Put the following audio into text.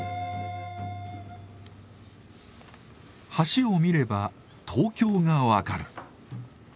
橋を見れば東京が分かる。